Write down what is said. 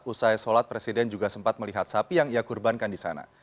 usai sholat presiden juga sempat melihat sapi yang ia kurbankan di sana